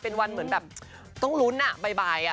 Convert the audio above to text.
เป็นวันเหมือนแบบต้องลุ้นบ่าย